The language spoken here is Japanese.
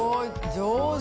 上手。